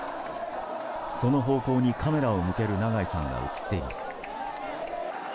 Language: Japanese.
その方向にカメラを向ける長井さんが映っています。